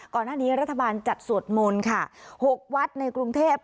ก่อนหน้านี้รัฐบาลจัดสวดมนต์ค่ะ๖วัดในกรุงเทพ